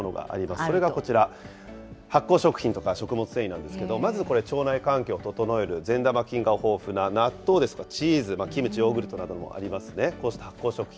それがこちら、発酵食品とか食物繊維なんですけど、まず腸内環境を整える善玉菌が豊富な納豆ですとか、チーズ、キムチ、ヨーグルトなどもありますね、こうした発酵食品。